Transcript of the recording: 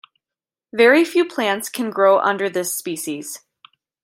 Very few plants can grow under this species.